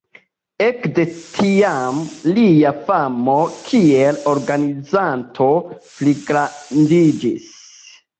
Ekde tiam, lia famo kiel organizanto pligrandiĝis.